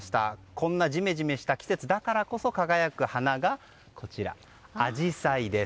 こんなジメジメした季節だからこそ輝く花がアジサイです。